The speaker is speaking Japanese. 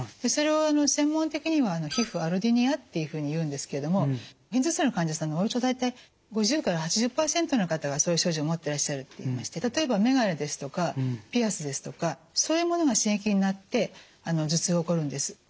それを専門的には皮膚アロディニアっていうふうにいうんですけども片頭痛の患者さんのおよそ大体５０８０％の方がそういう症状を持ってらっしゃるといいまして例えばメガネですとかピアスですとかそういうものが刺激になって頭痛が起こるんです。